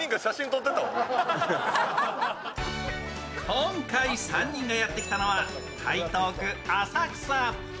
今回、３人がやって来たのは台東区浅草。